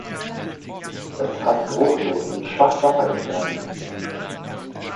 Es ist fast geruchlos und schwach wassergefährdend.